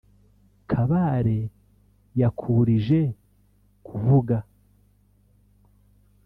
Kabare yakurije kuvuga